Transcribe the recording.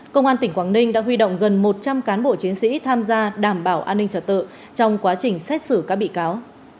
công an tỉnh quảng ninh đã huy động gần một trăm linh cán bộ chiến sĩ tham gia đảm bảo an ninh trật tự trong quá trình xét xử các bị cáo